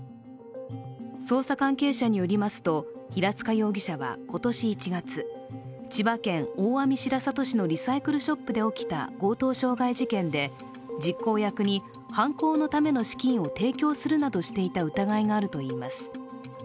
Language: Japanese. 捜査関係者によりますと、平塚容疑者は今年１月、千葉県大網白里市のリサイクルショップで起きた強盗傷害事件で実行役に犯行のための資金を提供するなどしていた疑いがあるといいます。